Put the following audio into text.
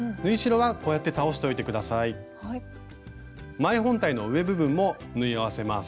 前本体の上部分も縫い合わせます。